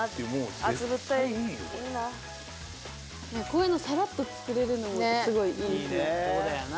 ・こういうのさらっと作れるのもすごいいいですね・